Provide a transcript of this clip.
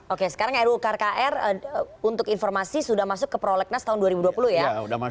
oke sekarang ruu krkr untuk informasi sudah masuk ke prolegnas tahun dua ribu dua puluh ya